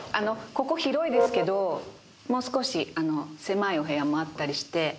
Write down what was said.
ここ広いですけどもう少し狭いお部屋もあったりして。